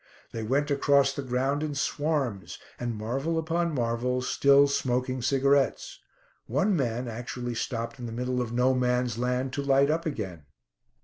They went across the ground in swarms, and marvel upon marvels, still smoking cigarettes. One man actually stopped in the middle of "No Man's Land" to light up again.